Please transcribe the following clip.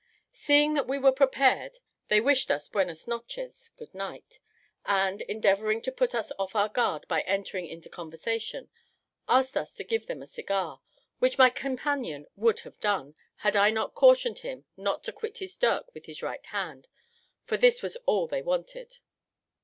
Seeing that we were prepared, they wished us "buenos noches" (good night); and, endeavouring to put us off our guard by entering into conversation, asked us to give them a cigar, which my companion would have done, had I not cautioned him not to quit his dirk with his right hand, for this was all they wanted.